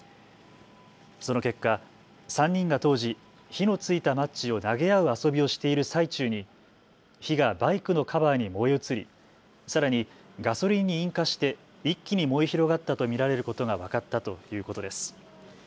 その結果、３人が当時火のついたマッチを投げ合う遊びをしている最中に火がバイクのカバーに燃え移りさらにガソリンに引火して一気に燃え広がったと見られることが分かったということです。